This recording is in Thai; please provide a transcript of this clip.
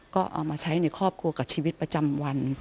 ก็เอามาใช้ในครอบครัวกับชีวิตประจำวัน